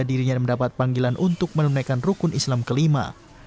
dirinya mendapat panggilan untuk menunaikan rukun islam kelima